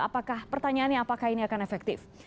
apakah pertanyaannya apakah ini akan efektif